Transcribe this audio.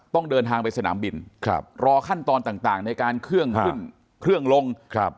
ต้องเดินทางไปสนามบินรอขั้นตอนต่างในการเครื่องขึ้นเครื่องลง